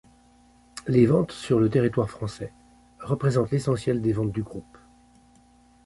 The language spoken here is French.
Les ventes sur le territoire français représentent l'essentiel des ventes du groupe.